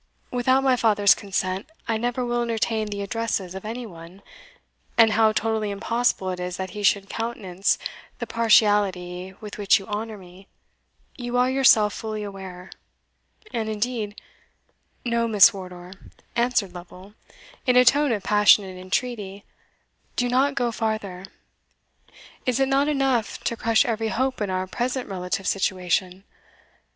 Without my father's consent, I never will entertain the addresses of any one, and how totally impossible it is that he should countenance the partiality with which you honour me, you are yourself fully aware; and, indeed" "No, Miss Wardour," answered Lovel, in a tone of passionate entreaty; "do not go farther is it not enough to crush every hope in our present relative situation?